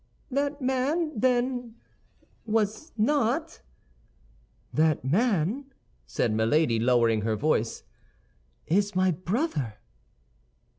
"That man, then, was not—" "That man," said Milady, lowering her voice, "is my brother."